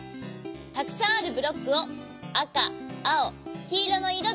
たくさんあるブロックをあかあおきいろのいろでわけよう。